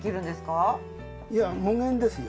いや無限ですよ。